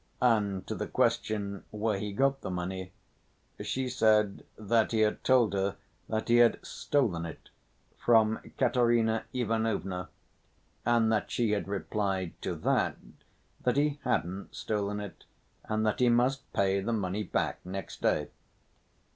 And to the question where he got the money, she said that he had told her that he had "stolen" it from Katerina Ivanovna, and that she had replied to that that he hadn't stolen it, and that he must pay the money back next day.